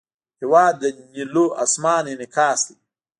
هېواد د نیلو آسمان انعکاس دی.